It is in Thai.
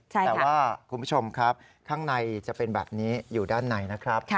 แต่ว่าคุณผู้ชมครับข้างในจะเป็นแบบนี้อยู่ด้านในนะครับ